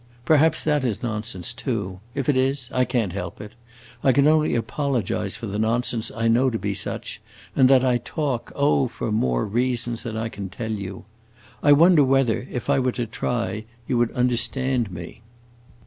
Perhaps that is nonsense too. If it is, I can't help it. I can only apologize for the nonsense I know to be such and that I talk oh, for more reasons than I can tell you! I wonder whether, if I were to try, you would understand me."